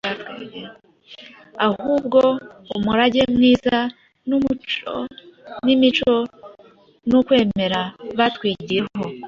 ahubwo umurage mwiza ni imico n’ukwemera batwigiyeho.”